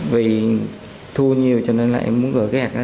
vì thu nhiều cho nên là em muốn gửi cái hạt đó